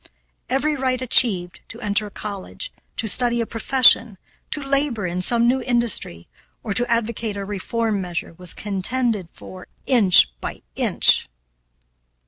Every right achieved, to enter a college, to study a profession, to labor in some new industry, or to advocate a reform measure was contended for inch by inch.